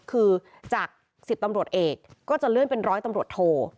คือจาก๑๐ตำรวจเอกก็จะเลื่อนเป็นร้อยตำรวจโท